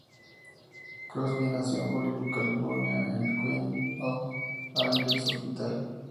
Crosby nació en Hollywood, California en el Queen of Angels Hospital.